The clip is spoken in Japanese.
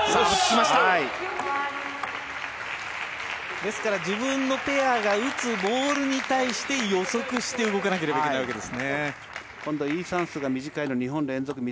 ですから自分のペアが打つボールに対して予測して動かなければいけないわけです。